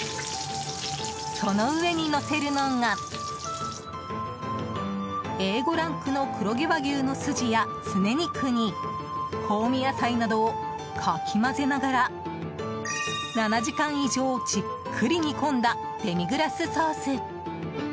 その上にのせるのがＡ５ランクの黒毛和牛のすじや、すね肉に香味野菜などをかき混ぜながら７時間以上じっくり煮込んだデミグラスソース。